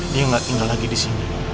dia gak tinggal lagi disini